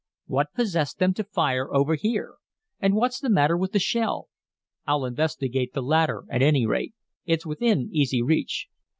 "What possessed them to fire over here, and what's the matter with the shell? I'll investigate the latter, at any rate; it's within easy reach."